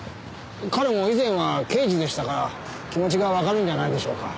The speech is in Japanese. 彼も以前は刑事でしたから気持ちがわかるんじゃないでしょうか。